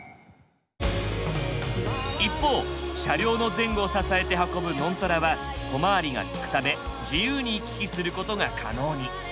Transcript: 一方車両の前後を支えて運ぶノントラは小回りがきくため自由に行き来することが可能に。